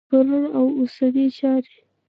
خبرونه او اوسنۍ چارې